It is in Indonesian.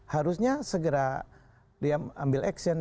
harusnya segera dia ambil action